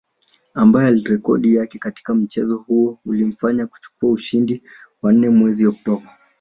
Ambaye rekodi yake katika mchezo huo ulimfanya kuchukua ushindi wa nne mwezi Oktoba